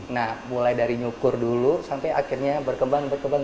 nah mulai dari nyukur dulu sampai akhirnya berkembang berkembang jadi seperti sekarang